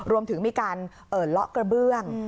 รวมถึงมีการเลาะกระเบื้อง